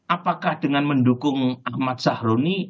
apakah dengan mendukung ahmad sahruni